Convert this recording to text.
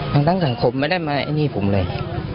ทั้งทั้งสังคมไม่ได้มาอันนี้ผมเลย